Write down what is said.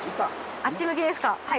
あっち向きですかはい。